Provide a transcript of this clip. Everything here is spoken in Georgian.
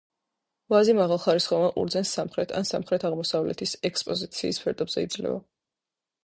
ვაზი მაღალხარისხოვან ყურძენს სამხრეთ ან სამხრეთ-აღმოსავლეთის ექსპოზიციის ფერდობზე იძლევა.